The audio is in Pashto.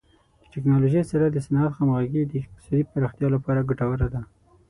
د ټکنالوژۍ سره د صنعت همغږي د اقتصادي پراختیا لپاره ګټوره ده.